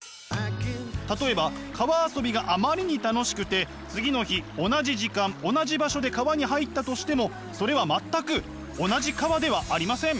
例えば川遊びがあまりに楽しくて次の日同じ時間同じ場所で川に入ったとしてもそれは全く同じ川ではありません。